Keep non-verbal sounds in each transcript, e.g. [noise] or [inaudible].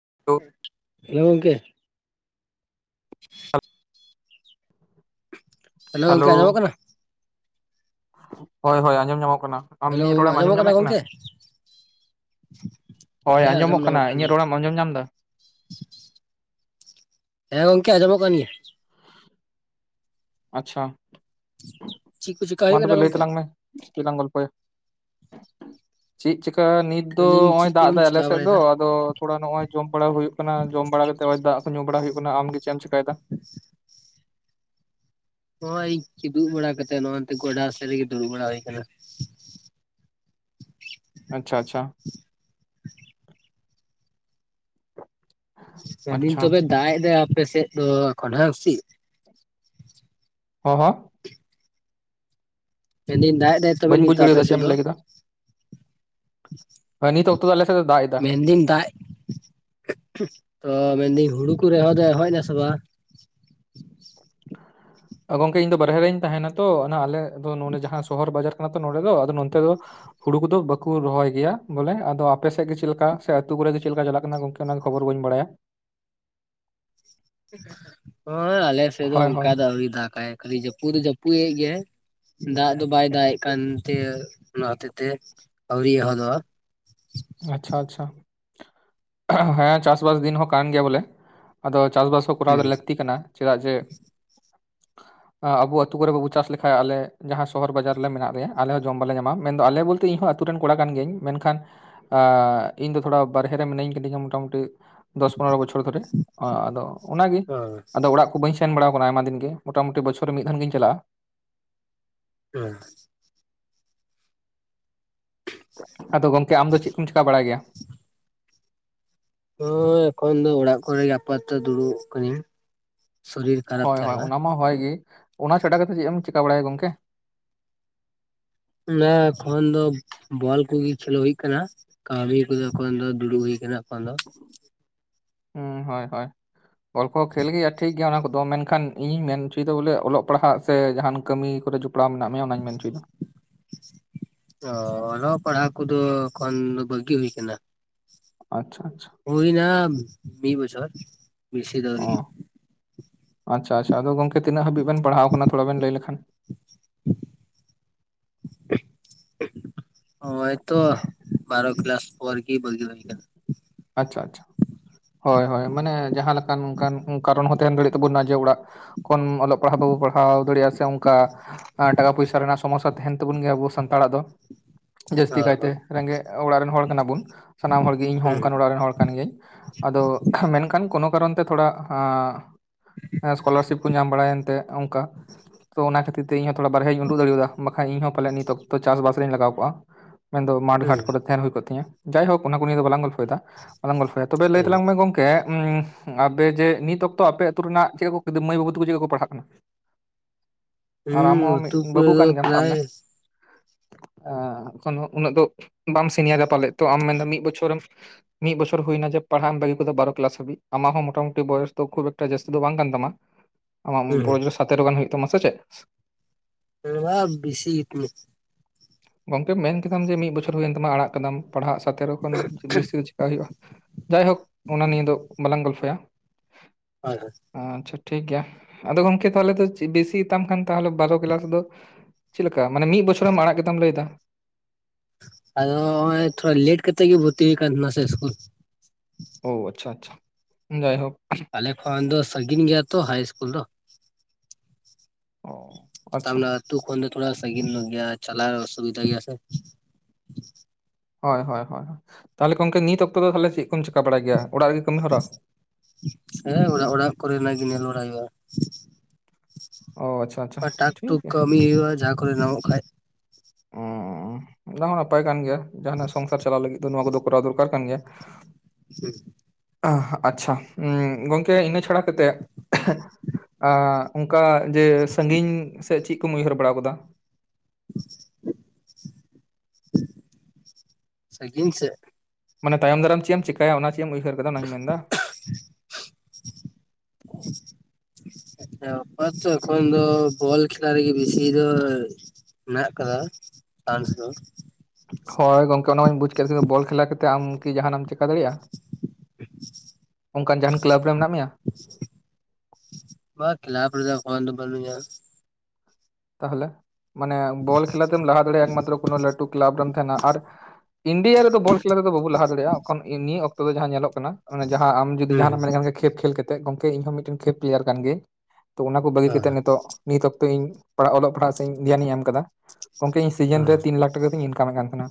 [unintelligible] Hello ᱜᱚᱝᱠᱮ [inaudible] hello ᱜᱚᱝᱠᱮ ᱟᱸᱡᱚᱢᱚᱜ ᱠᱟᱱᱟ? ᱦᱳᱭ ᱦᱳᱭ ᱟᱸᱡᱚᱢ ᱧᱟᱢᱚᱜ ᱠᱟᱱᱟ ᱟᱢ ᱦᱮᱞᱳ ᱤᱧᱟᱹᱜ ᱨᱚᱲᱮᱢ ᱟᱸᱡᱚᱢ ᱟᱸᱡᱚᱢᱚᱜ ᱧᱟᱢᱮᱫ ᱠᱟᱱᱟ? ᱜᱚᱝᱠᱮ ᱦᱮᱸ ᱦᱳᱭ ᱦᱮᱸ ᱟᱸᱡᱚᱢ ᱟᱸᱡᱚᱢᱚᱜ ᱠᱟᱱᱟ ᱧᱟᱢᱚᱜ ᱠᱟᱱ ᱤᱧᱟᱹᱜ ᱜᱮᱭᱟ ᱨᱚᱲᱮᱢ ᱟᱸᱡᱚᱢ ᱧᱟᱢᱫᱟ? ᱦᱮᱸ ᱜᱚᱝᱠᱮ ᱟᱸᱡᱚᱢᱚᱜ ᱠᱟᱱ ᱜᱮᱭᱟ᱾ ᱟᱪᱪᱷᱟ ᱪᱮᱫ ᱠᱚ ᱪᱮᱠᱟ ᱢᱟ ᱦᱩᱭᱩᱜ ᱠᱟᱱᱟ ᱛᱚᱵᱮ ᱞᱟᱹᱭ ᱜᱚᱝᱠᱮ ᱛᱟᱞᱟᱝ ᱢᱮ᱾ ᱪᱮᱫ ᱞᱟᱝ ᱜᱚᱞᱯᱚᱭᱟ ᱪᱮᱫ ᱪᱤᱠᱟ ᱱᱤᱛ ᱫᱚ ᱢᱮᱱᱫᱟᱹᱧ ᱚᱸᱭ ᱪᱮᱫ ᱫᱟᱜ ᱠᱚᱢ ᱫᱟᱭ ᱪᱮᱠᱟ ᱟᱞᱮᱥᱮᱫ ᱫᱚ ᱵᱟᱲᱟᱭᱮᱫᱟ ᱟᱫᱚ ᱛᱷᱚᱲᱟ ᱱᱚᱜ ᱚᱚᱭ ᱡᱚᱢ ᱵᱟᱲᱟ ᱦᱩᱭᱩᱜ ᱠᱟᱱᱟ ᱡᱚᱢ ᱵᱟᱲᱟ ᱠᱟᱛᱮᱜ ᱫᱟᱜ ᱠᱚ ᱧᱩ ᱵᱟᱲᱟ ᱦᱩᱭᱩᱜ ᱠᱟᱱᱟ ᱟᱢ ᱜᱮ ᱪᱮᱫ ᱮᱢ ᱪᱮᱠᱟᱭᱮᱫᱟ? [inaudible] ᱦᱚᱸᱜ-ᱚᱭ ᱠᱤᱫᱩᱵ ᱵᱟᱲᱟ ᱠᱟᱛᱮᱜ ᱱᱚᱜ-ᱚᱱᱛᱮ ᱜᱚᱰᱟ ᱥᱮᱫ ᱨᱮᱜᱮ ᱫᱩᱲᱩᱵ ᱵᱟᱲᱟ ᱦᱩᱭ ᱟᱠᱟᱱᱟ ᱟᱪᱪᱷᱟ ᱟᱪᱪᱷᱟ ᱢᱮᱱᱫᱤᱧ ᱟᱪᱪᱷᱟ ᱛᱚᱵᱮ ᱫᱟᱜ ᱮᱫ ᱫᱚᱭ ᱟᱯᱮ ᱥᱮᱫ ᱫᱚ ᱮᱠᱷᱚᱱ ᱦᱮᱵᱟᱝ ᱥᱮ ᱪᱮᱫ? ᱦᱚᱸ ᱦᱚᱸ ᱢᱮᱱᱫᱟᱹᱧ ᱫᱟᱜ ᱮᱫᱟᱭ ᱛᱚᱵᱮ ᱵᱟᱹᱧ ᱵᱩᱡ ᱱᱤᱛᱚᱜ ᱟᱯᱮ ᱫᱟᱲᱮᱭᱟᱫᱟ ᱪᱮᱫ ᱥᱮᱫ ᱮᱢ ᱫᱚ ᱞᱟᱹᱭ ᱠᱮᱫᱟ ᱦᱮᱸ, ᱱᱤᱛ ᱚᱠᱛᱚ ᱫᱚ ᱟᱞᱮ ᱥᱮᱫ ᱫᱚ ᱫᱟᱜ ᱮᱫᱟ ᱢᱮᱱᱫᱤᱧ ᱫᱟᱜ ᱛᱚ ᱢᱮᱱᱫᱟᱤᱧ ᱦᱩᱲᱩ ᱠᱚ ᱨᱮᱦᱚᱭ ᱫᱚ ᱮᱦᱚᱵ ᱮᱱᱟ ᱥᱮ ᱵᱟᱝ? ᱜᱚᱝᱠᱮ ᱤᱧ ᱫᱚ ᱵᱟᱨᱦᱮ ᱨᱮᱧ ᱛᱟᱦᱮᱱᱟ ᱛᱚ ᱟᱞᱮ ᱫᱚ ᱱᱚᱰᱮ ᱡᱟᱦᱟᱸ ᱥᱚᱦᱚᱨ ᱵᱟᱡᱟᱨ ᱠᱟᱱᱟ ᱛᱚ ᱱᱚᱰᱮ ᱫᱚ ᱟᱫᱚ ᱱᱚᱱᱛᱮ ᱫᱚ ᱦᱩᱲᱩ ᱠᱚᱫᱚ ᱵᱟᱠᱩ ᱨᱚᱦᱚᱭ ᱜᱮᱭᱟ ᱵᱚᱞᱮ ᱟᱫᱚ ᱟᱯᱮᱥᱮᱫ ᱜᱮ ᱪᱮᱫ ᱞᱮᱠᱟ ᱥᱮ ᱟᱛᱩ ᱠᱚᱨᱮ ᱜᱮ ᱪᱮᱫ ᱞᱮᱠᱟ ᱪᱟᱞᱟᱜ ᱠᱟᱱᱟ ᱜᱚᱝᱠᱮ? ᱥᱟᱱᱟᱢ ᱠᱷᱚᱵᱚᱨ ᱵᱟᱹᱧ ᱵᱟᱲᱟᱭᱟ᱾ ᱦᱳᱭ ᱟᱞᱮ ᱥᱮᱫ ᱫᱚ ᱦᱳᱭ ᱚᱱᱠᱟ ᱦᱳᱭ ᱫᱚ ᱟᱹᱣᱨᱤ ᱫᱟᱠᱟᱭ ᱠᱷᱟᱹᱞᱤ ᱡᱟᱹᱯᱩᱫ ᱫᱚ ᱡᱟᱹᱯᱩᱫᱮᱫ ᱜᱮᱭᱟᱭ ᱫᱟᱜ ᱫᱚ ᱵᱟᱭ ᱫᱟᱜ ᱮᱫ ᱠᱟᱱᱛᱮ ᱚᱱᱟ ᱦᱚᱛᱮᱡ ᱛᱮ ᱟᱹᱣᱨᱤᱭ ᱮᱦᱚᱫᱚᱜᱼᱟ ᱟᱪᱪᱷᱟ ᱟᱪᱪᱷᱟ ᱦᱮᱸ ᱪᱟᱥᱵᱟᱥ ᱫᱤᱱ ᱦᱚᱸ ᱠᱟᱱ ᱜᱮᱭᱟ ᱵᱚᱞᱮ ᱟᱫᱚ ᱪᱟᱥ ᱵᱟᱥ ᱦᱚᱸ ᱠᱚᱨᱟᱣ ᱦᱩᱸ ᱫᱚ ᱞᱟᱹᱠᱛᱤ ᱠᱟᱱᱟ ᱪᱮᱫᱟᱜ ᱡᱮ ᱟᱵᱩ ᱟᱹᱛᱩ ᱠᱚᱨᱮ ᱵᱟᱵᱩ ᱪᱟᱥ ᱞᱮᱠᱷᱟᱡ ᱟᱞᱮ ᱡᱟᱦᱟᱸ ᱥᱚᱦᱚᱨ ᱵᱟᱡᱟᱨ ᱞᱮ ᱢᱮᱱᱟᱜ ᱞᱮᱭᱟ ᱟᱞᱮ ᱦᱚᱸ ᱡᱚᱢ ᱵᱟᱞᱮ ᱧᱟᱢᱟ ᱢᱮᱱᱫᱚ ᱟᱞᱮ ᱵᱚᱞᱛᱮ ᱤᱧ ᱦᱚᱸ ᱟᱨᱠᱤ ᱟᱹᱛᱩ ᱨᱮᱱ ᱠᱚᱲᱟ ᱠᱟᱱ ᱜᱤᱭᱟᱹᱧ ᱢᱮᱱᱠᱷᱟᱱ ᱤᱧ ᱫᱚ ᱛᱷᱚᱲᱟ ᱵᱟᱨᱦᱮ ᱨᱮ ᱢᱤᱱᱟᱹᱧ ᱠᱟᱫᱤᱧᱟ ᱢᱳᱴᱟᱢᱩᱴᱤ ᱫᱚᱥ ᱯᱚᱱᱮᱨᱚ ᱵᱚᱪᱷᱚᱨ ᱫᱷᱚᱨᱮ ᱟᱫᱚ ᱚᱱᱟᱜᱮ ᱦᱚᱸ ᱟᱫᱚ ᱚᱲᱟᱜ ᱠᱚ ᱠᱩ ᱵᱟᱹᱧ ᱥᱮᱱ ᱵᱟᱲᱟᱣ ᱠᱟᱱᱟ ᱟᱭᱢᱟ ᱫᱤᱱ ᱜᱮ ᱢᱚᱴᱟ ᱢᱩᱴᱤ ᱵᱚᱪᱷᱚᱨ ᱨᱮ ᱢᱤᱫ ᱫᱷᱟᱱ ᱜᱤᱧ ᱪᱟᱞᱟᱜᱼᱟ᱾ ᱦᱮᱸ ᱟᱫᱚ ᱜᱚᱝᱠᱮ ᱟᱢ ᱫᱚ ᱪᱮᱫ ᱠᱚᱢ ᱪᱮᱠᱟ ᱵᱟᱲᱟᱭ ᱜᱮᱭᱟ? ᱦ ᱮᱠᱷᱚᱱ ᱫᱚ ᱚᱲᱟᱜ ᱠᱚᱨᱮᱜ ᱟᱯᱟᱚᱛᱚ ᱫᱩᱲᱩᱵ ᱟᱠᱟᱱᱟᱹᱧ ᱥᱚᱨᱤᱨ ᱠᱷᱟᱨᱟᱯ ᱦᱳᱭ ᱛᱟᱦᱮᱸ ᱦᱳᱭ ᱞᱮᱱᱟ ᱚᱱᱟ ᱢᱟ ᱦᱚᱭ ᱜᱮ ᱚᱱᱟ ᱪᱷᱟᱰᱟ ᱠᱟᱛᱮᱫ ᱪᱮᱫ ᱮᱢ ᱪᱮᱠᱟ ᱵᱟᱲᱟᱭᱟ ᱜᱚᱢᱠᱮ ᱚᱱᱟ ᱮᱠᱷᱚᱱ ᱫᱚ ᱵᱚᱞ ᱠᱚᱜᱮ ᱠᱷᱮᱞᱳ ᱦᱩᱭᱩᱜ ᱠᱟᱱᱟ᱾ ᱠᱟᱹᱢᱤ ᱠᱚᱫᱚ ᱮᱠᱷᱚᱱ ᱫᱚ ᱫᱩᱲᱩᱵ ᱦᱩᱭ ᱟᱠᱟᱱᱟ ᱮᱠᱷᱚᱱ ᱫᱚ᱾ ᱦᱩᱸ ᱦᱳᱭ ᱦᱳᱭ ᱵᱞ ᱠᱚᱦᱚᱸ ᱠᱷᱮᱞ ᱜᱮᱭᱟ ᱴᱷᱤᱠ ᱜᱮᱭᱟ ᱚᱱᱟ ᱠᱚᱫᱚ ᱢᱮᱱᱠᱷᱟᱱ ᱤᱧᱤᱧ ᱢᱮᱱ ᱦᱚᱪᱚᱭᱮᱫᱟ ᱵᱚᱞᱮ ᱚᱞᱚᱜ ᱯᱟᱲᱦᱟᱜ ᱥᱮ ᱡᱟᱦᱟᱱ ᱠᱟᱹᱢᱤ ᱠᱚᱨᱮ ᱡᱩᱠᱛ ᱡᱚᱯᱲᱟᱣ ᱢᱮᱱᱟᱜ ᱢᱮᱭᱟ ᱚᱱᱟᱧ ᱢᱮᱱᱪᱚᱭᱮᱫᱟ ᱚᱻ ᱚᱞᱚᱜ ᱯᱟᱲᱦᱟᱜ ᱠᱚᱫᱚ ᱠᱷᱚᱱ ᱵᱟᱹᱜᱤ ᱦᱩᱭ ᱟᱠᱟᱱᱟ᱾ ᱟᱪᱪᱷᱟ ᱟᱪᱪᱷᱟ ᱦᱩᱭ ᱮᱱᱟ ᱢᱤᱫ ᱵᱚᱪᱷᱚᱨ ᱵᱮᱥᱤ ᱫᱚ ᱟᱣᱨᱤ ᱟᱪᱪᱟ ᱟᱪᱪᱷᱟ ᱜᱚᱢᱠᱮ ᱛᱤᱹᱱᱥᱹᱜ ᱦᱟᱹᱵᱤᱡᱮᱱ ᱯᱟᱲᱦᱟᱣ ᱠᱟᱱᱟ ᱛᱷᱟᱲᱟ ᱵᱮᱱ ᱞᱟᱹᱭ ᱞᱮᱠᱷᱟᱱ ᱚᱭᱛᱚ ᱵᱟᱨᱚ ᱠᱞᱟᱥ ᱯᱚᱨ ᱜᱮ ᱵᱟᱜᱤ ᱦᱳᱭ ᱠᱟᱱᱟ ᱟᱪᱪᱷᱟ ᱟᱪᱪᱷᱟ ᱦᱳᱭ ᱦᱳᱭ ᱢᱟᱱᱮ ᱡᱟᱦᱟᱸᱞ ᱞᱮᱠᱟᱱ ᱚᱱᱠᱟᱱ ᱠᱟᱨᱚᱱ ᱦᱚᱸ ᱛᱟᱦᱮᱸᱱ ᱫᱟᱲᱮᱭᱟᱜ ᱛᱟᱵᱚᱱᱟ ᱡᱮ ᱚᱲᱟᱜ ᱠᱷᱚᱱ ᱚᱞᱚᱜ ᱯᱟᱲᱦᱟᱣ ᱵᱟᱵᱚᱱ ᱯᱟᱲᱦᱟᱣ ᱫᱟᱲᱮᱭᱟᱜᱼᱟ ᱥᱮ ᱚᱱᱠᱟ ᱴᱟᱠᱟ ᱯᱚᱭᱥᱟ ᱨᱮᱱᱟᱜ ᱥᱚᱢᱚᱥᱥᱟ ᱛᱟᱸᱦᱱ ᱛᱟᱵᱚᱱ ᱜᱮᱭᱟ ᱟᱵᱚ ᱥᱟᱱᱛᱟᱲᱟᱜ ᱫᱚ ᱡᱟᱹᱥᱛᱤ ᱠᱟᱭᱛᱮ ᱦᱳᱭ ᱦᱳᱭ ᱨᱮᱸᱜᱮᱡ ᱚᱲᱟᱜ ᱨᱮᱱ ᱦᱚᱲ ᱠᱟᱱᱟᱵᱩᱱ ᱥᱟᱱᱟᱢ ᱦᱚᱲᱜᱤ ᱤᱧᱦᱚᱸ ᱦᱩᱸ ᱨᱮᱱ ᱦᱚᱲ ᱠᱟᱱ ᱜᱤᱭᱟᱹᱧ ᱟᱫᱚ ᱢᱮᱱᱠᱷᱟᱱ ᱠᱚᱱᱳ ᱠᱟᱨᱚᱱ ᱛᱮ ᱛᱷᱚᱲᱟ ᱦᱟᱸᱜ ᱥᱠᱚᱞᱟᱨᱥᱤᱯ ᱠᱚ ᱧᱟᱢ ᱵᱟᱲᱟᱭᱮᱱᱛᱮ ᱚᱱᱠᱟ ᱛᱚ ᱚᱱᱟ ᱠᱷᱟᱹᱛᱤᱨ ᱛᱮ ᱤᱧ ᱦᱚ ᱛᱷᱚᱲᱟ ᱵᱟᱨᱦᱮᱧ ᱩᱰᱩᱜ ᱫᱟᱲᱮᱭᱟᱫᱟ ᱵᱟᱠᱷᱟᱱᱡ ᱤᱧᱚᱸ ᱯᱟᱞᱮ ᱱᱤᱛ ᱚᱠᱛᱚ ᱪᱟᱥᱵᱟᱥ ᱨᱮᱧ ᱞᱟᱜᱟᱣ ᱠᱚᱜᱼᱟ ᱢᱮᱱᱫᱚ ᱦᱩᱸ ᱢᱟᱴᱷᱷᱟᱴ ᱠᱚᱨᱮ ᱛᱟᱦᱮᱸᱱᱳᱭᱜ ᱛᱤᱧ ᱡᱟᱭᱦᱳᱠ ᱚᱱᱟ ᱠᱚ ᱱᱤᱭᱟᱹ ᱫᱚᱞᱟᱝ ᱜᱚᱞᱯᱷᱚᱭᱮᱫᱟ ᱵᱟᱞᱟᱝ ᱜᱚᱞᱯᱷᱚᱭᱟ ᱛᱚᱵᱮ ᱞᱟᱹᱭ ᱦᱳᱭ ᱦᱳᱭ ᱛᱟᱝ ᱢᱮ ᱜᱚᱝᱠᱮ ᱮ ᱟᱯᱮ ᱡᱮ ᱱᱤᱛ ᱚᱠᱛᱚ ᱟᱯᱮ ᱟᱹᱛᱩ ᱨᱮᱱᱟᱜ ᱪᱮᱫ ᱞᱮᱠᱟ ᱠᱚ ᱢᱟᱹᱭ ᱵᱟᱹᱵᱩ ᱛᱟᱠᱚ ᱪᱮᱫ ᱞᱮᱠᱟ ᱠᱚ ᱯᱟᱲᱦᱟᱜ ᱠᱟᱱᱟ ᱟᱨ ᱟᱢ ᱦᱩᱸ ᱦᱚᱸ ᱢᱤᱫ ᱟᱹᱛᱩ ᱠᱚᱨᱮ ᱫᱚ ᱯᱨᱟᱭ ᱟ ᱠᱚᱱᱳ ᱩᱱᱟᱹᱜ ᱫᱚ ᱵᱟᱢ ᱥᱤᱱᱤᱭᱟᱨᱟ ᱯᱟᱞᱮᱫ ᱛᱚ ᱟᱢ ᱢᱮᱱᱫᱟ ᱢᱤᱫ ᱵᱚᱪᱷᱚᱨᱮᱢ [unintelligible] ᱢᱤᱫ ᱵᱚᱪᱷᱚᱨ ᱦᱩᱭ ᱮᱱᱟ ᱡᱮ ᱯᱟᱲᱦᱟᱜ ᱮᱢ ᱵᱟᱹᱜᱤ ᱠᱮᱫᱟ ᱵᱟᱨᱚ ᱠᱞᱟᱥ ᱦᱟᱵᱤᱡ ᱟᱢᱜ ᱦᱚᱸ ᱢᱚᱴᱟ ᱢᱩᱴᱤ ᱵᱚᱭᱮᱥ ᱫᱚ ᱠᱷᱩᱵ ᱮᱠᱴᱟ ᱡᱟᱥᱛᱤ ᱫᱚ ᱵᱟᱝ ᱠᱟᱱ ᱛᱟᱢᱟ [unintelligible] ᱟᱢᱟᱜ ᱵᱚᱭᱮᱡ ᱫᱚ ᱥᱟᱛᱮᱨᱚ ᱜᱟᱱ ᱦᱩᱭᱩᱜ ᱛᱟᱢᱟ ᱥᱮ ᱪᱮᱫ ᱦ [inaudible] ᱵᱮᱥᱤ [inaudible] ᱜᱚᱝᱠᱮ ᱢᱮᱱ ᱠᱮᱫᱟᱢ ᱡᱮ ᱢᱤᱫ ᱵᱚᱪᱷᱚᱨ ᱦᱩᱭᱮᱱ ᱛᱟᱢᱟ ᱟᱲᱟᱜ ᱠᱟᱫᱟᱢ ᱯᱟᱲᱦᱟᱜ ᱥᱟᱛᱮᱨᱚ ᱵᱮᱥᱤ ᱫᱚ ᱪᱮᱠᱟ ᱦᱩᱭᱩᱜᱼᱟ ᱡᱟᱭᱦᱳᱠ ᱚᱱᱟ ᱱᱤᱭᱟᱹ ᱫᱚ ᱵᱟᱞᱟᱝ ᱜᱚᱞᱯᱷᱚᱭᱟ ᱦᱳᱭ ᱦᱳᱭ ᱟᱪᱪᱷᱟ ᱴᱷᱤᱠ ᱜᱮᱮᱭᱟ ᱟᱫᱚ ᱜᱚᱢᱠᱮ ᱛᱟᱦᱚᱞᱮ ᱫᱚ ᱵᱮᱥᱤᱛᱟᱢ ᱠᱷᱟᱱ ᱛᱟᱦᱚᱞᱮ ᱵᱟᱨᱚ ᱠᱞᱟᱥ ᱫᱚ ᱪᱮᱫ ᱞᱮᱠᱟ ᱢᱟᱱᱮ ᱢᱤᱫ ᱵᱚᱪᱷᱚᱨᱢ ᱟᱲᱟᱜ ᱠᱟᱫᱟ ᱞᱟᱹᱭᱮᱫᱟ ᱟᱫᱚ ᱱᱚᱜᱚᱭ ᱛᱷᱚᱲᱟ ᱞᱮᱴ ᱠᱟᱛᱮᱜ ᱜᱮ ᱵᱷᱚᱨᱛᱤ ᱠᱟᱱ ᱛᱟᱦᱮᱱᱟ ᱥᱮ ᱤᱥᱠᱩᱞ ᱳᱳ ᱟᱪᱪᱷᱟ ᱟᱪᱪᱷᱟ ᱡᱟᱭᱦᱳᱠ ᱟᱞᱮ ᱠᱷᱚᱱ ᱫᱚ ᱥᱟᱺᱜᱤᱧ ᱜᱮᱭᱟ ᱛᱚ ᱦᱟᱭ ᱤᱥᱠᱩᱞ ᱫᱚ ᱚᱻ [inaudible] ᱟᱞᱮ ᱟᱹᱛᱩ ᱠᱷᱚᱱ ᱫᱚ ᱛᱷᱚᱲᱟ ᱥᱟᱜᱤᱧ ᱧᱚᱜ ᱜᱮᱭᱟ ᱪᱟᱞᱟᱣ ᱚᱥᱩᱵᱤᱫᱷᱟ ᱜᱮᱭᱟ ᱥᱮ ᱦᱳᱭ ᱦᱳᱭ ᱦᱳᱭ ᱛᱟᱦᱚᱞᱮ ᱜᱚᱢᱠᱮ ᱱᱤᱛ ᱚᱠᱛᱚ ᱫᱚ ᱛᱟᱦᱚᱞᱮ ᱪᱮᱫ ᱠᱚᱢ ᱪᱤᱠᱟ ᱵᱟᱲᱟᱭ ᱜᱮᱭᱟ ᱚᱲᱟᱜ ᱨᱮᱜᱮ ᱠᱟᱹᱢᱤ ᱦᱚᱨᱟ ᱦᱮᱸ ᱚᱲᱟᱜ ᱚᱲᱟᱜ ᱠᱚᱨᱮᱱᱟᱜ ᱜᱮ ᱧᱮᱞ ᱵᱟᱲᱟᱭ ᱦᱩᱭᱩᱜᱼᱟ ᱚ ᱟᱪᱪᱷᱟ ᱟᱪᱪᱷᱟ ᱴᱟᱠ ᱴᱩᱠ ᱴᱷᱤᱠ ᱜᱮᱭᱟ ᱠᱟᱹᱢᱤ ᱦᱩᱭᱩᱜᱼᱟ ᱡᱟᱦᱟ ᱠᱚᱨᱮ ᱧᱟᱢᱚᱜ ᱠᱷᱟᱱ ᱚᱻᱚᱱᱟ ᱦᱚᱸ ᱱᱟᱯᱟᱭ ᱠᱟᱱ ᱜᱮᱭᱟ ᱡᱟᱦᱟᱱᱟᱜ ᱥᱚᱝᱥᱟᱨ ᱪᱟᱞᱟᱣ ᱞᱟᱹᱜᱤᱫ ᱫᱚ ᱱᱚᱣᱟ ᱠᱚᱫᱚ ᱠᱚᱨᱟᱣ ᱫᱚᱨᱠᱟᱨ ᱠᱟᱱ ᱜᱮᱭᱟ [inaudible] ᱟᱻ ᱟᱪᱪᱷᱟ ᱜᱚᱝᱠᱮ ᱤᱱᱟᱹ ᱪᱷᱟᱲᱟ ᱠᱟᱛᱮᱜ ᱟᱻᱚᱱᱠᱟ ᱡᱮ ᱥᱟᱹᱜᱤᱧ ᱥᱮᱫ ᱪᱮᱫ ᱠᱚᱢ ᱩᱭᱦᱟᱹᱨ ᱵᱟᱲᱟ ᱟᱠᱟᱫᱟ [unintelligible] ᱥᱟᱹᱜᱤᱱ ᱥᱮᱫ ᱢᱟᱱᱮ ᱛᱟᱭᱚᱢ ᱫᱟᱨᱟᱢ ᱪᱮᱫ ᱮᱢ ᱪᱮᱠᱟᱭᱟ ᱚᱱᱟ ᱪᱮᱫ ᱮᱢ ᱩᱭᱦᱟᱹᱨ ᱠᱟᱫᱟ ᱚᱱᱟᱧ ᱢᱮᱱ ᱫᱟ [unintelligible] ᱦᱮ ᱚᱯᱟ ᱛᱚ ᱮᱠᱷᱚᱱ ᱫᱚ ᱵᱚᱞ ᱠᱷᱮᱞᱟ ᱨᱮᱜᱤ ᱵᱮᱥᱤ ᱫᱚ ᱢᱮᱱᱟᱜ ᱟᱠᱟᱫᱟ ᱪᱟᱱᱥ ᱫᱚ ᱦᱳᱭ ᱜᱚᱝᱠᱮ ᱚᱱᱟ ᱢᱟᱧ ᱵᱩᱡᱽ ᱠᱮᱫᱟ ᱠᱤᱱᱛᱩ ᱵᱚᱞ ᱠᱷᱮᱞᱟ ᱠᱟᱛᱮᱫ ᱟᱢ ᱠᱤ ᱡᱟᱦᱟᱱᱟᱜ ᱮᱢ ᱪᱤᱠᱟᱹ ᱫᱟᱲᱮᱭᱟᱜ-ᱟ ᱚᱱᱠᱟᱱ ᱡᱟᱦᱟᱱ ᱠᱞᱟᱵᱽ ᱨᱮ ᱢᱮᱱᱟᱜ ᱢᱮᱭᱟ ᱵᱟ ᱠᱮᱞᱟᱵ ᱨᱮᱫᱚ ᱮᱠᱷᱚᱱ ᱫᱚ ᱵᱟᱹᱱᱩᱜ ᱤᱧᱟ ᱛᱟᱦᱚᱞᱮ ᱢᱟᱱᱮ ᱵᱚᱞ ᱠᱷᱮᱞᱟ ᱛᱮᱢ ᱞᱟᱦᱟ ᱫᱟᱲᱮᱭᱟᱜ-ᱟ ᱮᱠᱢᱟᱛᱨᱚ ᱠᱳᱱᱳ ᱞᱟᱹᱴᱩ ᱠᱮᱞᱟᱵᱽ ᱨᱮᱢ ᱛᱟᱦᱮᱱᱟ ᱟᱨ ᱤᱱᱰᱤᱭᱟ ᱨᱮᱫᱚ ᱵᱚᱞ ᱠᱷᱮᱞᱟ ᱨᱮᱫᱚ ᱵᱟᱵᱚ ᱞᱟᱦᱟ ᱫᱟᱲᱮᱭᱟᱜ-ᱟ ᱮᱠᱷᱚᱱ ᱱᱤᱭᱟᱹ ᱚᱠᱛᱚ ᱫᱚ ᱡᱟᱦᱟᱸ ᱧᱮᱞᱚᱜ ᱠᱟᱱᱟ ᱡᱟᱦᱟᱸ ᱟᱢ ᱡᱩᱫᱤ ᱦᱩᱸ ᱡᱟᱦᱟᱱᱟᱜ ᱦᱩᱸ ᱮᱢ ᱢᱮᱱ ᱠᱷᱟᱱ ᱜᱮ ᱠᱷᱮᱯ ᱠᱷᱮᱞ ᱠᱟᱛᱮᱫ ᱜᱚᱝᱠᱮ ᱤᱧᱦᱚ ᱢᱤᱫᱴᱮᱱ ᱠᱷᱮᱯ ᱯᱞᱮᱭᱟᱨ ᱠᱟᱱ ᱜᱤᱭᱟᱹᱧ ᱛᱚ ᱚᱱᱟ ᱠᱚ ᱵᱟᱹᱜᱤ ᱦᱮᱸ ᱠᱟᱛᱮᱜ ᱱᱤᱛᱚᱜ ᱱᱤᱛ ᱚᱠᱛᱚ ᱤᱧ ᱚᱞᱚᱜ ᱯᱟᱲᱦᱟᱜ ᱥᱮᱫ ᱫᱷᱮᱭᱟᱱᱤᱧ ᱮᱢ ᱠᱟᱫᱟ ᱜᱚᱢᱠᱮ ᱤᱧ ᱥᱤᱡᱤᱱ ᱨᱮ ᱦᱮᱸ ᱛᱤᱱ ᱞᱟᱠᱷ ᱴᱟᱠᱟ ᱠᱟᱛᱤᱧ ᱤᱱᱠᱟᱢᱮᱫ ᱠᱟᱱ ᱛᱟᱦᱮᱱᱟ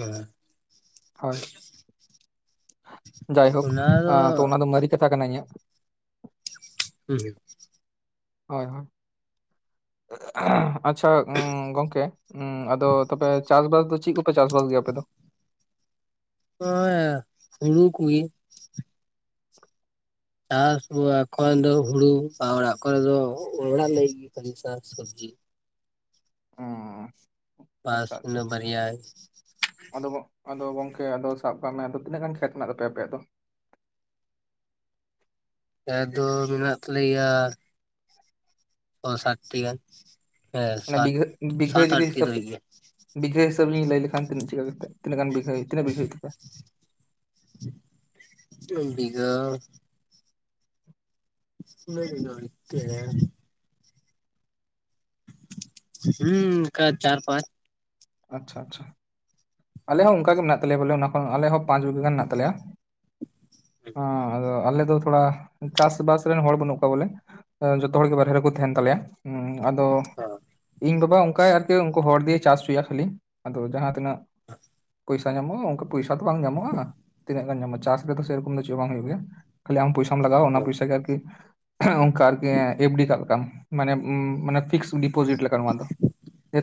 ᱤᱱᱟᱹ [inaudible] ᱦᱳᱭ ᱡᱟᱭᱦᱳᱠ ᱚᱱᱟ ᱫᱚ ᱛᱚ ᱚᱱᱟᱫᱚ ᱢᱟᱨᱤ ᱠᱟᱛᱷᱟ ᱠᱟᱱᱟ ᱤᱧᱟᱹᱜ [unintelligible] ᱦᱳᱭ ᱦᱳᱭ ᱟᱪᱪᱷᱟ ᱜᱚᱝᱠᱮ ᱟᱫᱚ ᱛᱚᱵᱮ ᱪᱟᱥᱵᱟᱥ ᱫᱚ ᱪᱮᱫ ᱠᱚ ᱪᱟᱥ ᱵᱟᱥ ᱜᱮᱭᱟ ᱟᱯᱮ ᱫᱚ ᱚᱭ ᱟ ᱦᱩᱲᱩ ᱠᱩᱜᱮ ᱟᱨ ᱮᱠᱷᱚᱱ ᱫᱚ ᱦᱩᱲᱩ ᱵᱟ ᱚᱲᱟᱜ ᱠᱚᱨᱮ ᱫᱚ ᱚᱲᱟᱜ ᱞᱟᱹᱜᱤᱫ ᱪᱟᱥ ᱥᱚᱵᱡᱤ ᱚᱻ ᱵᱟᱥ ᱤᱱᱟᱹ ᱵᱟᱨᱭᱟ ᱜᱮ ᱟᱫᱚ ᱟᱫᱚ ᱜᱚᱝᱠᱮ ᱟᱫᱚ ᱥᱟᱵ ᱠᱟᱜ ᱢᱮ ᱟᱫᱚ ᱛᱤᱱᱟᱹᱜ ᱜᱟᱱ ᱠᱷᱮᱛ ᱢᱮᱱᱟᱜ ᱛᱟᱯᱮᱭᱟ ᱟᱯᱮᱭᱟᱜ ᱫᱚ ᱠᱷᱮᱛ ᱫᱚ ᱢᱮᱱᱟᱜ ᱛᱟᱞᱮᱭᱟ ᱚ ᱥᱟᱛᱴᱤ ᱜᱟᱱ ᱦᱮᱸ ᱚᱱᱟ ᱥᱟᱛ ᱥᱟᱛ ᱟᱴᱴᱤ ᱫᱚ ᱦᱩᱭᱩᱜ ᱜᱮᱭᱟ ᱵᱷᱤᱜᱷᱟᱹ ᱦᱤᱥᱟᱵ ᱞᱤᱧ ᱞᱟᱹᱭ ᱞᱮᱠᱷᱟᱱ ᱛᱤᱹ ᱪᱤᱠᱟ ᱠᱟᱛᱮ ᱛᱤᱱᱟᱜ ᱜᱟᱱ ᱵᱤᱜᱷᱟ ᱦᱩᱭᱩᱜ ᱛᱱᱟᱹᱜ ᱵᱤᱜᱷᱟ ᱦᱩᱭᱩᱜ ᱛᱟᱯᱮᱭᱟ ᱵᱤᱜᱷᱟᱹᱻ ᱛᱤᱱᱟᱹᱜ ᱵᱤᱜᱷᱟᱹ ᱦᱚᱭᱚᱜ ᱛᱮ ᱦᱩᱸ ᱠᱟ ᱪᱟᱨ ᱯᱟᱸᱪ᱾ ᱟᱪᱪᱷᱟ ᱟᱪᱪᱷᱟ ᱟᱞᱮ ᱦᱚᱸ ᱚᱱᱠᱟ ᱜᱮ ᱢᱮᱱᱟᱜ ᱛᱟᱞᱮᱭᱟ ᱵᱚᱞᱮ ᱚᱱᱟ ᱠᱷᱚᱱ ᱟᱞᱮᱦᱚᱸ ᱯᱟᱸᱪ ᱵᱤᱜᱷᱟᱹ ᱜᱟᱱ ᱢᱮᱱᱟᱜ ᱛᱟᱞᱮᱭᱟ ᱚᱸ ᱟᱫᱚ ᱟᱞᱮ ᱫᱚ ᱛᱷᱚᱲᱟ ᱪᱟᱥᱵᱟᱥ ᱨᱮᱱ ᱦᱚᱲ ᱵᱟᱹᱱᱩᱜ ᱠᱚᱣᱟ ᱵᱚᱞᱮ ᱡᱚᱛᱚ ᱦᱚᱲᱜᱮ ᱵᱟᱦᱨᱮ ᱨᱮᱠᱚ ᱛᱟᱦᱮᱱ ᱛᱟᱞᱮᱭᱟ᱾ ᱩᱸ ᱟᱫᱚ ᱤᱧ ᱵᱟᱵᱟ ᱚᱱᱠᱟᱭ ᱟᱨ ᱠᱤ ᱩᱱᱠᱩ ᱦᱚᱲ ᱫᱤᱭᱮ ᱪᱟᱥ ᱦᱩᱪᱩᱭᱟ ᱠᱷᱟᱹᱞᱤ ᱟᱫᱚ ᱡᱟᱦᱟᱸ ᱛᱤᱱᱟᱹᱜ [unintelligible] ᱯᱚᱭᱥᱟ ᱧᱟᱢᱚᱜ-ᱟ ᱚᱱᱠᱟ ᱯᱚᱭᱥᱟ ᱫᱚ ᱵᱟᱝ ᱧᱟᱢᱚᱜ-ᱟ, ᱛᱤᱱᱟᱹᱜ ᱜᱟᱱ ᱧᱟᱢᱚᱜ ᱪᱟᱥ ᱜᱮᱛᱚ ᱥᱮᱭ ᱨᱚᱠᱚᱢ ᱫᱚ ᱪᱮᱫ ᱵᱟᱝ ᱦᱩᱭᱩᱜ ᱜᱮᱭᱟ᱾ ᱠᱷᱟᱹᱞᱤ ᱟᱢ ᱯᱚᱭᱥᱟᱢ ᱞᱟᱜᱟᱣᱟ ᱚᱱᱟ ᱯᱚᱭᱥᱟ ᱜᱮ ᱟᱨᱠᱤ ᱚᱱᱠᱟ ᱟᱨ ᱠᱤ ᱮᱯᱷ ᱰᱤ ᱠᱟᱜ ᱠᱟᱢ ᱢᱟᱱᱮ ᱯᱷᱤᱠᱥ ᱚᱯᱚᱡᱤᱴ ᱞᱮᱠᱟ ᱱᱚᱣᱟ ᱫᱚ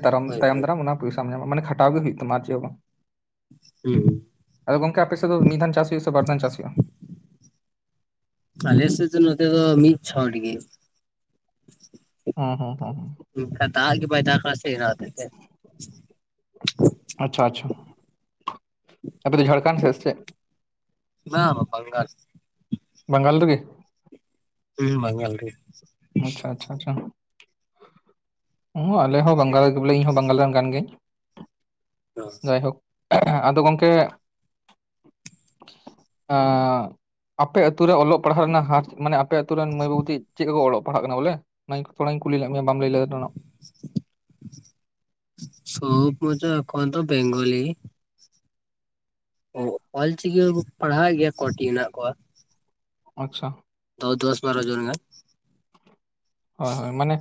ᱛᱟᱭᱚᱢ ᱦᱳᱭ ᱛᱟᱭᱚᱢ ᱦᱳᱭ ᱫᱟᱨᱟᱢ ᱚᱱᱟ ᱯᱚᱭᱥᱟᱢ ᱧᱟᱢᱟ ᱢᱟᱱᱮ ᱠᱷᱟᱴᱟᱣ ᱜᱮ ᱦᱩᱭᱩᱜ ᱛᱟᱢᱟ ᱟᱨ ᱪᱮᱫ ᱵᱟᱝ᱾ ᱦᱩᱸ ᱟᱫᱚ ᱜᱚᱝᱠᱮ ᱟᱯᱮ ᱥᱮᱫ ᱫᱚ ᱢᱤᱫ ᱫᱷᱟᱱ ᱪᱟᱥ ᱦᱩᱭᱩᱜ-ᱟ ᱥᱮ ᱵᱟᱨᱫᱷᱟᱱ ᱪᱟᱥ ᱦᱩᱭᱩᱜ-ᱟ? ᱟᱞᱮ ᱥᱮᱫ ᱫᱚ ᱱᱚᱛᱮ ᱫᱚ ᱢᱤᱫ ᱪᱷᱚᱴ ᱜᱮ᱾ ᱦᱚᱸ ᱦᱚᱸ ᱦᱚᱸ ᱦᱚᱸ ᱚᱱᱠᱟ ᱫᱟᱜ ᱜᱮ ᱵᱟᱭ ᱫᱟᱜ ᱥᱮ ᱚᱱᱟ ᱦᱚᱛᱮ ᱛᱮ ᱟᱪᱪᱷᱟ ᱟᱪᱪᱷᱟ [unintelligible] ᱫᱚ ᱡᱷᱟᱲᱠᱷᱚᱱᱰ ᱥᱮ ᱪᱮᱫ? ᱵᱟᱝᱟ ᱵᱟᱝᱟ ᱵᱟᱝᱜᱟᱞ᱾ ᱵᱟᱝᱜᱟᱞ ᱨᱮᱜᱮ ᱦᱩᱸ ᱵᱟᱝᱜᱟᱞ ᱨᱮᱜᱮ᱾ ᱟᱪᱪᱷᱟ ᱟᱪᱪᱷᱟ ᱟᱪᱪᱷᱟ ᱦᱩᱸ ᱟᱞᱮ ᱦᱚᱸ ᱵᱟᱝᱜᱟᱞ ᱤᱧ ᱦᱚᱸ ᱵᱟᱝᱜᱟᱞ ᱨᱮᱱ ᱠᱟᱱ ᱜᱤᱭᱟᱹᱧ᱾ ᱡᱟᱭᱦᱳᱠ ᱟᱫᱚ ᱜᱚᱝᱠᱮ ᱟᱻ ᱟᱯᱮ ᱟᱛᱩᱨ ᱨᱮ ᱚᱞᱚᱜ ᱯᱟᱲᱦᱟᱜ ᱨᱮᱱᱟᱜ ᱦᱟᱨ ᱢᱟᱱᱮ ᱟᱯᱮ ᱟᱹᱛᱩᱨᱮᱱ ᱢᱟᱹᱭ ᱵᱟᱹᱵᱩ ᱪᱮᱫ ᱠᱚ ᱠᱚ ᱚᱞᱚᱜ ᱯᱟᱲᱦᱟᱜ ᱠᱟᱱᱟ ᱵᱚᱞᱮ ᱚᱱᱟᱧ ᱛᱷᱚᱲᱟᱧ ᱠᱩᱞᱤ ᱞᱮᱫ ᱢᱮᱭᱟ ᱵᱟᱢ ᱞᱟᱹᱭ ᱞᱮᱫᱟ᱾ [unintelligible] ᱵᱮᱝᱜᱚᱞᱤ᱾ ᱚ ᱚᱞ ᱪᱤᱠᱤ ᱦᱚᱸᱠᱚ ᱯᱟᱲᱦᱟᱣ ᱮᱜ ᱜᱮᱭᱟ ᱠᱚᱴᱤ ᱦᱮᱱᱟᱜ ᱠᱚᱣᱟ᱾ ᱟᱪᱪᱷᱟ᱾ ᱛᱚ ᱫᱚᱥ ᱵᱟᱨᱚ ᱡᱚᱱ ᱜᱟᱱ᱾ ᱦᱳᱭᱻᱦᱳᱭ ᱢᱟᱱᱮ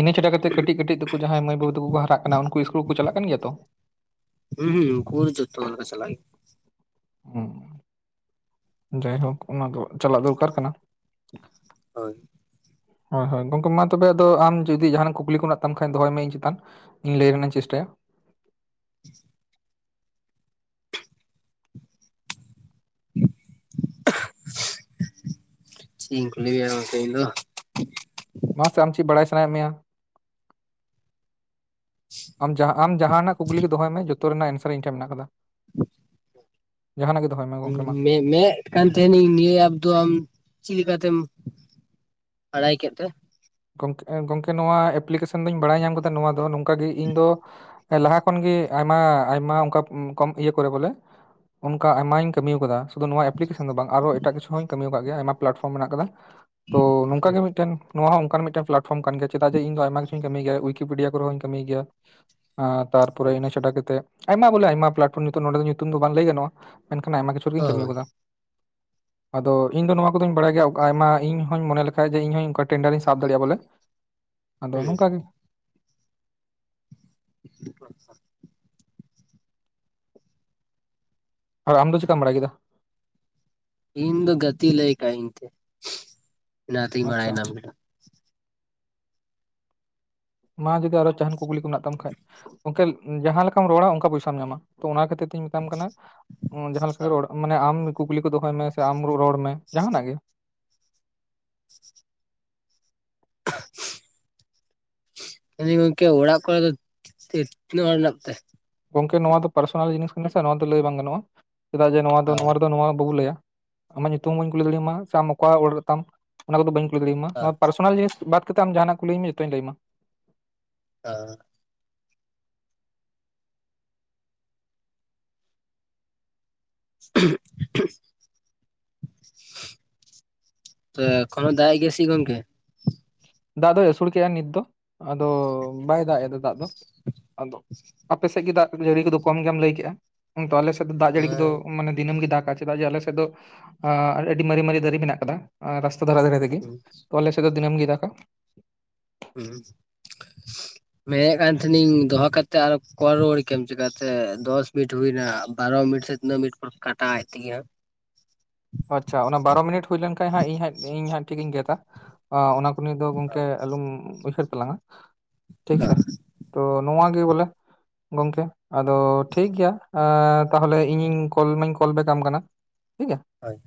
ᱤᱱᱟ ᱪᱷᱟᱰᱟ ᱠᱟᱛᱮ ᱠᱟᱹᱴᱤᱡ ᱠᱟᱹᱴᱤᱡ ᱠᱚ ᱡᱟᱦᱟᱸᱭ ᱢᱟᱹᱭ ᱵᱟᱹᱵᱩ ᱛᱟᱠᱚ ᱠᱚ ᱦᱟᱨᱟᱜ ᱠᱟᱱ ᱜᱮᱭᱟ ᱩᱱᱠᱩ ᱤᱥᱠᱩᱞ ᱠᱚᱠᱚ ᱪᱟᱞᱟᱜ ᱠᱟᱱ ᱜᱮᱭᱟ ᱛᱚ? ᱦᱩᱸ ᱦᱩᱸ ᱩᱱᱠᱩ ᱠᱚᱫᱚ ᱡᱚᱛᱚ ᱞᱮᱠᱟ ᱪᱟᱞᱟᱜ᱾ ᱦᱚᱸ ᱡᱟᱭᱦᱳᱠ ᱚᱱᱟ ᱫᱚ ᱪᱟᱞᱟᱜ ᱫᱚᱨᱠᱟᱨ ᱠᱟᱱᱟ᱾ ᱦᱳᱭ ᱦᱳᱭ ᱦᱳᱭ ᱜᱚᱝᱠᱮ ᱢᱟ ᱛᱚᱵᱮ ᱟᱫᱚ ᱟᱢ ᱡᱩᱫᱤ ᱡᱟᱦᱱᱟᱜ ᱠᱩᱠᱞᱤ ᱠᱚ ᱢᱮᱱᱟᱜ ᱛᱟᱢ ᱠᱷᱟᱱ ᱫᱚᱦᱚᱭ ᱢᱮ ᱤᱧ ᱪᱮᱛᱟᱱ? ᱤᱧ ᱞᱟᱹᱭ ᱨᱮᱱᱟᱜ ᱤᱧ ᱪᱮᱥᱴᱟᱭᱟ᱾ [unintelligible] [unintelligible] ᱪᱮᱫ ᱤᱧ ᱠᱩᱞᱤ ᱢᱮᱭᱟ ᱜᱚᱝᱠᱮ ᱤᱧ ᱫᱚ᱾ ᱢᱟᱥᱮ ᱟᱢ ᱪᱮᱫ ᱵᱟᱲᱟᱭ ᱥᱟᱱᱟᱭᱮᱫ ᱢᱮᱭᱟ᱾ ᱟᱢ ᱟᱢ ᱡᱟᱦᱟᱸᱱᱟᱜ ᱠᱩᱠᱞᱤ ᱜᱮ ᱫᱚᱦᱚᱭ ᱢᱮ, ᱡᱚᱛᱚ ᱨᱮᱱᱟᱜ ᱮᱱᱥᱟᱨ ᱤᱧ ᱴᱷᱮᱱ ᱢᱮᱱᱟᱜ ᱠᱟᱫᱟ᱾ [unintelligible] ᱡᱟᱦᱟᱱᱟᱜ ᱜᱮ ᱫᱚᱦᱚᱭ ᱢᱮ᱾ ᱜᱚᱝᱠᱮ ᱢᱟ ᱤᱧ ᱢᱮ ᱢᱮᱜ ᱠᱟᱱ ᱛᱟᱦᱮᱱᱤᱧ ᱱᱤᱭᱟᱹ ᱮᱯ ᱫᱚ ᱟᱢ ᱪᱮᱫ ᱞᱮᱠᱟᱛᱮᱢ ᱵᱟᱲᱟᱭ ᱠᱮᱫ ᱛᱮ? ᱜᱚᱝᱠᱮ ᱜᱚᱝᱠᱮ ᱱᱚᱣᱟ ᱮᱯᱞᱤᱠᱮᱥᱚᱱ ᱫᱚᱧ ᱵᱟᱲᱟᱭ ᱧᱟᱢ ᱠᱮᱫᱟ ᱱᱚᱣᱟ ᱫᱚ ᱱᱚᱝᱠᱟ ᱜᱮ ᱤᱧ ᱫᱚ ᱞᱟᱦᱟ ᱠᱷᱚᱱ ᱜᱮ ᱟᱭᱢᱟ ᱟᱭᱢᱟ ᱚᱱᱠᱟ ᱠᱚᱢ ᱤᱭᱟᱹ ᱠᱚᱨᱮ ᱵᱚᱞᱮ ᱚᱱᱠᱟ ᱟᱭᱢᱟᱧ ᱠᱟᱹᱢᱤ ᱠᱟᱫᱟ ᱥᱩᱫᱩ ᱱᱚᱣᱟ ᱮᱯᱞᱤᱠᱮᱥᱚᱱ ᱫᱚ ᱵᱟᱝ ᱟᱨᱚ, ᱮᱴᱟᱜ ᱠᱤᱪᱷᱩ ᱦᱚᱸᱧ ᱠᱟᱹᱢᱤ ᱠᱟᱜ ᱜᱮᱭᱟ, ᱟᱭᱢᱟ ᱯᱞᱟᱴᱯᱷᱚᱨᱚᱢ ᱢᱮᱱᱟᱜ ᱠᱟᱫᱟ ᱾ ᱛᱚ ᱱᱚᱝᱠᱟ ᱦᱳᱭ ᱜᱮ ᱢᱤᱫᱴᱮᱱ ᱱᱚᱣᱟ ᱦᱚᱸ ᱚᱱᱠᱟᱱ ᱢᱤᱫᱴᱮᱱ ᱯᱞᱟᱴ ᱯᱷᱚᱨᱚᱢ ᱠᱟᱱ ᱜᱮᱭᱟ, ᱪᱮᱫᱟᱜ ᱡᱮ ᱤᱧ ᱟᱭᱢᱟ ᱠᱤᱪᱷᱩᱧ ᱠᱟᱹᱢᱤ ᱜᱮᱭᱟ ᱩᱭᱠᱤᱯᱰᱤᱭᱟ ᱠᱚᱨᱮ ᱦᱚᱸᱧ ᱠᱟᱹᱢᱤ ᱜᱮᱭᱟ ᱾ ᱟᱨ ᱛᱟᱨᱯᱚᱨᱮ ᱤᱱᱟᱹ ᱪᱷᱟᱰᱟ ᱠᱟᱛᱮ ᱟᱭᱢᱟ ᱵᱚᱞᱮ ᱟᱭᱢᱟ ᱯᱞᱟᱴᱯᱷᱚᱨᱚᱢ ᱧᱩᱛᱩᱢ ᱱᱚᱸᱰᱮ ᱫᱚ ᱧᱩᱛᱩᱢ ᱫᱚ ᱵᱟᱝ ᱞᱟᱹᱭ ᱜᱟᱱᱚᱜᱼᱟ ᱾ ᱢᱮᱱᱠᱷᱟᱱ ᱟᱭᱢᱟ ᱠᱤᱪᱷᱩ ᱠᱚᱨᱮ ᱜᱤᱧ ᱠᱟᱹᱢᱤ ᱠᱟᱫᱟ ᱦᱳᱭ ᱾ ᱟᱫᱚ ᱤᱧ ᱫᱚ ᱱᱚᱣᱟ ᱠᱚᱫᱚᱧ ᱵᱟᱲᱟᱭ ᱜᱮᱭᱟ ᱟᱭᱢᱟ, ᱤᱧ ᱦᱚᱧ ᱢᱚᱱᱮ ᱞᱮᱷᱟᱱᱡ ᱡᱮ ᱤᱧ ᱚᱱᱠᱟ ᱴᱮᱱᱰᱟᱨ ᱤᱧ ᱥᱟᱵ ᱫᱟᱲᱮᱭᱟᱜᱼᱟ ᱾ ᱵᱚᱞᱮ ᱟᱫᱚ ᱱᱚᱝᱠᱟ ᱜᱮ ᱟ [unintelligible] ᱟᱢ ᱫᱚ ᱪᱮᱫᱠᱟᱢ ᱵᱟᱲᱟᱭ ᱠᱮᱫᱟ? ᱤᱧ ᱫᱚ ᱜᱟᱛᱮ ᱞᱟᱹᱭ ᱠᱟᱣ ᱤᱧ ᱛᱮ ᱚᱱᱟᱛᱤᱧ ᱟᱪᱪᱷᱟ ᱵᱟᱲᱟᱭᱮᱱᱟ ᱟᱪᱪᱷᱟ ᱵᱚᱞᱮ ᱢᱟ ᱡᱩᱫᱤ ᱟᱨᱚ ᱡᱟᱦᱟᱱ ᱠᱩᱠᱞᱤ ᱠᱚ ᱢᱮᱱᱟᱜ ᱛᱟᱢ ᱠᱷᱟᱡ, ᱚᱱᱠᱟ ᱡᱟᱦᱟᱸ ᱞᱮᱠᱟᱢ ᱨᱚᱲᱟ ᱚᱱᱠᱟ ᱯᱚᱭᱥᱟᱢ ᱧᱟᱢᱟ ᱾ ᱛᱚ ᱚᱱᱟ ᱠᱷᱟᱹᱛᱤᱨ ᱛᱤᱧ ᱢᱮᱛᱟᱢ ᱠᱟᱱᱟ ᱡᱟᱦᱟᱸ ᱞᱮᱠᱟᱜᱮ ᱨᱚᱲ ᱢᱟᱱᱮ ᱟᱢ ᱠᱩᱠᱞᱤ ᱠᱚ ᱫᱚᱦᱚᱭ ᱢᱮ ᱥᱮ ᱟᱢ ᱨᱚᱲ ᱢᱮ ᱡᱟᱦᱟᱱᱟᱜ ᱜᱮ᱾ [unintelligible] ᱦᱳᱭ ᱜᱚᱝᱠᱮ ᱚᱲᱟᱜ ᱠᱚᱨᱮ ᱫᱚ ᱛᱤᱱᱟᱹᱜ ᱦᱚᱲ ᱢᱮᱱᱟᱜ ᱯᱮᱛᱮ? ᱜᱚᱝᱠᱮ ᱱᱚᱣᱟ ᱫᱚ ᱯᱟᱨᱥᱚᱱᱟᱞ ᱡᱤᱱᱤᱥ ᱠᱟᱱᱟ ᱥᱮ, ᱱᱚᱣᱟ ᱫᱚ ᱞᱟᱹᱭ ᱵᱟᱝ ᱜᱟᱱᱚᱜᱼᱟ᱾ ᱪᱮᱫᱟᱜ ᱡᱮ ᱱᱚᱣᱟ ᱫᱚ ᱱᱚᱣᱟ ᱨᱮᱫᱚ ᱱᱚᱣᱟ ᱵᱟᱵᱩ ᱞᱟᱹᱭᱟ ᱾ ᱟᱢᱟᱜ ᱧᱩᱛᱩᱢ ᱵᱟᱹᱧ ᱠᱩᱞᱤ ᱫᱟᱲᱮ ᱟᱢᱟ, ᱥᱮ ᱟᱢ ᱚᱠᱟ ᱚᱲᱟᱜ ᱛᱟᱢ ᱚᱱᱟ ᱠᱚᱫᱚ ᱵᱟᱹᱧ ᱠᱩᱞᱤ ᱫᱟᱲᱮ ᱟᱢᱟ, ᱱᱚᱣᱟ ᱯᱟᱨᱥᱚᱱᱟᱞ ᱡᱤᱱᱤᱥ ᱵᱟᱫ ᱠᱟᱛᱮ ᱟᱢ ᱡᱟᱦᱱᱟᱜ ᱠᱩᱞᱤᱧ ᱢᱮ ᱡᱚᱛᱚᱧ ᱞᱟᱹᱭ ᱟᱢᱟ ᱾ ᱦᱸ [unintelligible] [unintelligible] ᱛᱚ ᱮᱠᱷᱱᱚ ᱫᱟᱜᱮᱜ ᱜᱮᱭᱟ ᱥᱮ ᱜᱚᱝᱠᱮ? ᱫᱟᱜ ᱫᱚᱭ ᱟᱹᱥᱩᱲ ᱠᱮᱜᱼᱟ ᱱᱤᱛ ᱫᱚ ᱟᱫᱚ ᱵᱟᱭ ᱫᱟᱜ ᱮᱫᱟ ᱫᱟᱜ ᱫᱚ ᱾ ᱟᱫᱚ ᱟᱯᱮ ᱥᱮᱜ ᱜᱮ ᱫᱟᱜ ᱡᱟᱹᱲᱤ ᱠᱚᱫᱚ ᱠᱚᱢ ᱜᱮᱢ ᱞᱟᱹᱭ ᱠᱮᱜᱼᱟ ᱾ ᱦᱩᱛᱚ ᱟᱞᱮ ᱥᱮᱫ ᱫᱚ ᱫᱟᱜ ᱡᱟᱹᱲᱤ ᱠᱚ ᱫᱚ ᱢᱟᱱᱮ ᱫᱤᱱᱟᱹᱢ ᱜᱮ ᱫᱟᱜᱼᱟ ᱾ ᱪᱮᱫᱟᱜ ᱡᱮ ᱟᱞᱮ ᱥᱮᱫ ᱫᱚ, ᱟᱹᱰᱤ ᱢᱟᱨᱮ ᱢᱟᱨᱮ ᱫᱟᱨᱮ ᱢᱮᱱᱟᱜ ᱠᱟᱫᱟ ᱨᱟᱥᱛᱟ ᱫᱷᱟᱨᱮ ᱫᱷᱟᱨᱮ ᱨᱮᱜᱮ ᱾ ᱟᱞᱮ ᱥᱮᱫ ᱫᱚ ᱫᱤᱱᱟᱹᱢ ᱜᱮ ᱫᱟᱜᱽ ᱼᱟ ᱾ ᱦᱩᱸ ᱢᱮᱱᱮᱜ ᱠᱟᱱ ᱛᱟᱦᱮᱸᱱᱤᱧ ᱫᱚᱦᱚ ᱠᱟᱛᱮᱜ ᱟᱨᱚ ᱠᱚᱞ ᱨᱩᱣᱟᱹᱲ ᱠᱮᱟᱢ ᱪᱮᱠᱟᱛᱮ, ᱫᱚᱥ ᱢᱤᱱᱤᱴ ᱦᱩᱭᱱᱟ ᱵᱟᱨᱚ ᱢᱤᱱᱤᱴ ᱥᱮ ᱤᱱᱟᱹ ᱢᱤᱱᱴ ᱯᱚᱨ ᱠᱟᱴᱟᱜᱼᱟ ᱟᱡ ᱛᱮᱜᱮ ᱾ ᱟᱪᱪᱷᱟ ᱚᱱᱟ ᱵᱟᱨᱚ ᱢᱤᱱᱤᱴ ᱦᱩᱭ ᱞᱮᱱᱠᱷᱟᱱᱡ ᱦᱟᱜ ᱤᱧ ᱤᱧ ᱦᱟᱸᱜ ᱴᱷᱤᱠ ᱤᱧ ᱜᱮᱫᱟ ᱚᱱᱟ ᱠᱚ ᱱᱤᱭᱮ ᱫᱚ ᱜᱚᱢᱠᱮ ᱟᱞᱚᱢ ᱩᱭᱦᱟᱹᱨ ᱛᱟᱞᱟᱝᱼᱟ ᱴᱷᱤᱠ ᱥᱮ ᱛᱚ ᱱᱚᱣᱟ ᱜᱮ ᱵᱚᱞᱮ ᱜᱚᱝᱠᱮ ᱟᱫᱚ ᱴᱷᱤᱠᱜᱮᱭᱟ ᱛᱟᱦᱚᱞᱮ ᱤᱧᱤᱧ ᱠᱚᱞ ᱢᱟᱧ ᱠᱚᱞᱵᱮᱠᱢ ᱠᱟᱱᱟ ᱴᱷᱤᱠ ᱜᱮᱭᱟ ᱦᱳᱭ